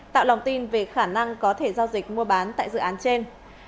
tạo lòng tin về khả năng có thể giao dịch mua bán tại dự án trên